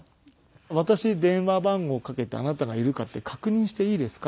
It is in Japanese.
「私電話番号をかけてあなたがいるかって確認していいですか？」。